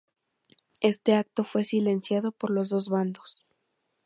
Este acto fue silenciado por los dos bandos.